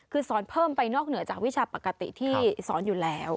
คือสอนเพิ่มไปนอกเหนือจากวิชาปกติที่สอนอยู่แล้ว